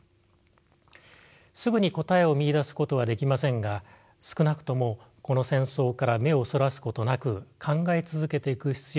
すぐに答えを見いだすことはできませんが少なくともこの戦争から目をそらすことなく考え続けていく必要があるのではないかと思います。